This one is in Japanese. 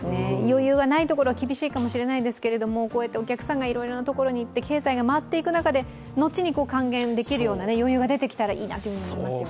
余裕がないところは厳しいかもしれないですけれども、こうやってお客さんがいろいろなところに行って経済が回っていく中で後に還元できるような余裕ができたらいいなと思いますね。